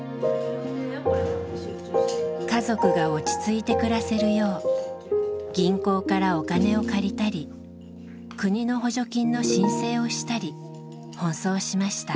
家族が落ち着いて暮らせるよう銀行からお金を借りたり国の補助金の申請をしたり奔走しました。